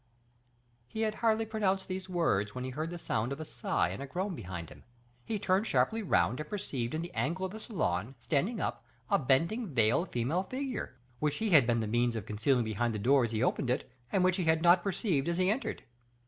He had hardly pronounced these words, when he heard the sound of a sigh and a groan behind him. He turned sharply round and perceived, in the angle of the salon, standing up, a bending veiled female figure, which he had been the means of concealing behind the door as he opened it, and which he had not perceived as he entered.